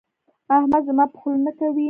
احمد زما په خوله نه کوي.